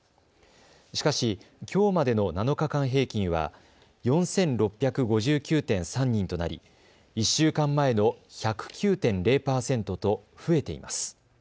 しかしきょうまでの７日間平均は４６５９．３人となり１週間前の１０９．０％と増えています。